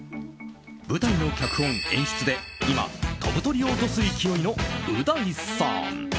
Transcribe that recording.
舞台の脚本演出で今、飛ぶ鳥を落とす勢いのう大さん。